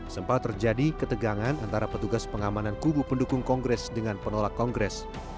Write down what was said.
sempat terjadi ketegangan antara petugas pengamanan kubu pendukung kongres dengan penolak kongres